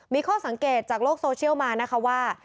มีข้อสังเกตจากโลกโซเชียลมานะคะว่า